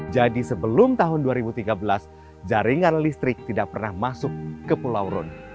jadi sebelum tahun dua ribu tiga belas jaringan listrik tidak pernah masuk ke pulau rondi